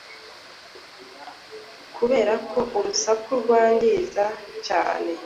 Kuberako urusaku rwangiza cyane;